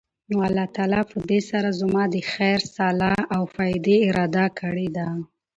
نو الله تعالی پدي سره زما د خير، صلاح او فائدي اراده کړي ده